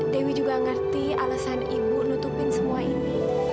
dewi juga ngerti alasan ibu nutupin semua ini